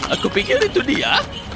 aku pikir itu dia